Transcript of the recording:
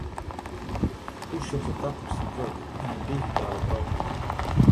Hoe sjochst de takomst fan wurk yn in digitale wrâld?